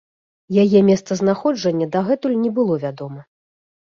Яе месцазнаходжанне дагэтуль не было вядома.